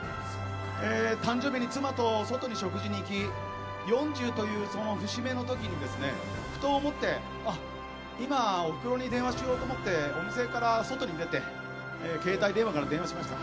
誕生日に妻と外に食事に行き４０という節目の時にふと思って今おふくろに電話しようと思ってお店から外に出て携帯電話から電話しました。